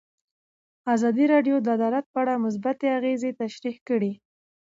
ازادي راډیو د عدالت په اړه مثبت اغېزې تشریح کړي.